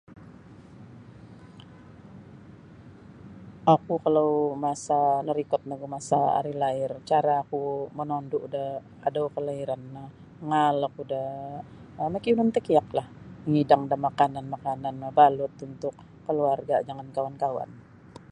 Oku kalau masa narikot nogu masa ari lair caraku monondu' da adau kalairan no mangaal oku da um makiyunun takiaklah mangidang da makanan-makanan mabalut untuk kaluarga' jangan kawan-kawan.